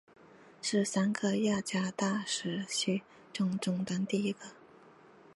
是三个雅加达时区中西端第一个。